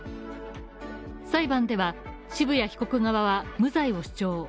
裁判では渋谷被告側は無罪を主張。